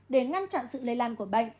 để ngăn chặn sự lây lan của bệnh